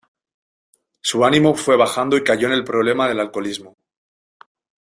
Su ánimo fue bajando y cayó en el problema de alcoholismo.